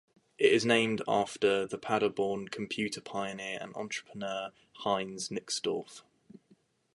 It is named after the Paderborn computer pioneer and entrepreneur Heinz Nixdorf.